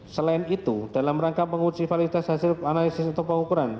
selain itu dalam rangka penguji validitas hasil analisis atau pengukuran